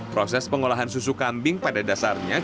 proses pengolahan susu kambing pada dasarnya